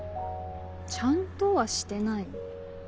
ちゃんとはしてないよ。